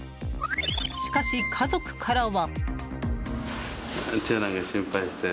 しかし、家族からは。